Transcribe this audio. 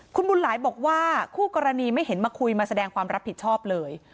คุณบุญหลายบอกว่าคู่กรณีไม่เห็นมาคุยมาแสดงความรับผิดชอบเลย